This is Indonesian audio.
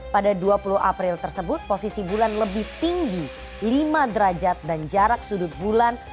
pada dua puluh april tersebut posisi bulan lebih tinggi lima derajat dan jarak sudut bulan